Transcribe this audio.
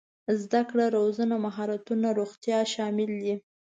زده کړه روزنه مهارتونه روغتيا شامل دي.